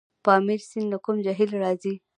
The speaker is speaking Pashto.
پامیر سیند له کوم جهیل راځي؟